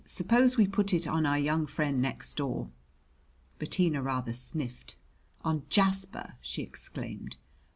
"Suppose we put it on our young friend next door." Bettina rather sniffed. "On Jasper!" she exclaimed.